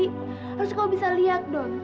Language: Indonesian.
harus kamu bisa lihat don